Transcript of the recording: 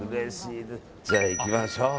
じゃあ、行きましょう。